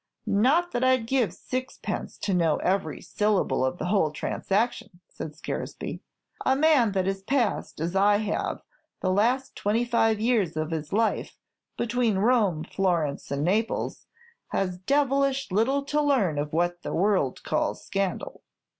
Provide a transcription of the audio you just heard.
"Not that I'd give sixpence to know every syllable of the whole transaction," said Scaresby. "A man that has passed, as I have, the last twenty five years of his life between Rome, Florence, and Naples, has devilish little to learn of what the world calls scandal."